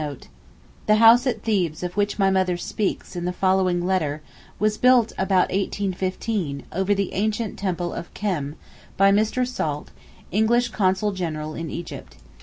[The house at Thebes of which my mother speaks in the following letter was built about 1815, over the ancient temple of Khem, by Mr. Salt, English Consul General in Egypt.